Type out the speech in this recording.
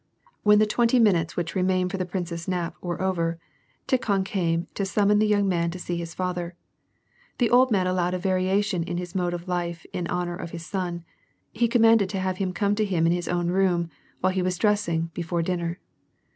When the twenty minutes which remained for the prince's nap were over, Tikhon came to summon the young man to see his father. The old man allowed a variation in his mode of life in honor of his son ; he commanded to have him come to him in his own room, while he was dressing, before dinner.